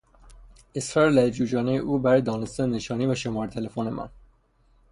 اصرار لجوجانهی او برای دانستن نشانی و شمارهی تلفن من